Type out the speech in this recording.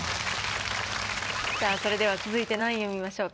さぁそれでは続いて何位を見ましょうか？